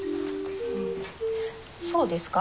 そうですか？